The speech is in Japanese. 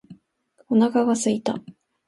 お腹が空いた